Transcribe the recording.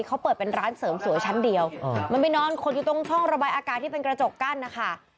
เขาเปิดเป็นร้านเสริมสวยชั้นเดียวมันไปนอนขดอยู่ตรงช่องระบายอากาศที่เป็นกระจกกั้นนะคะ